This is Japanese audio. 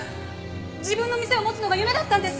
自分の店を持つのが夢だったんです！